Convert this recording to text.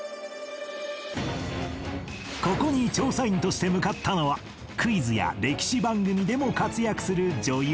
ここに調査員として向かったのはクイズや歴史番組でも活躍する女優